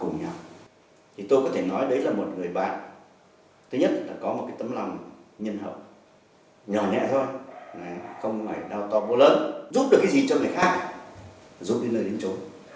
giúp được cái gì cho người khác giúp đi nơi đến chỗ